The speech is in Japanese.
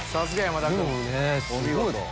すごい！